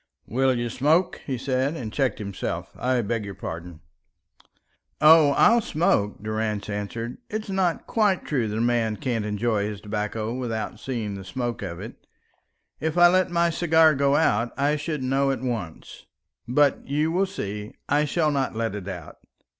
"Will you smoke?" he said, and checked himself. "I beg your pardon." "Oh, I'll smoke," Durrance answered. "It's not quite true that a man can't enjoy his tobacco without seeing the smoke of it. If I let my cigar out, I should know at once. But you will see, I shall not let it out."